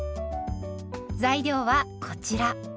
材料はこちら。